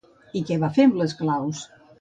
I què va fer amb les claus?